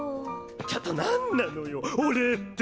ちょっと何なのよお礼って！